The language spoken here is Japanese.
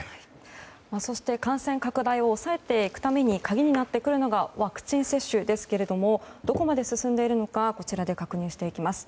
そして、感染拡大を抑えていくために鍵になってくるのがワクチン接種ですけれどもどこまで進んでいるのかこちらで確認していきます。